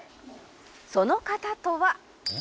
「その方とは」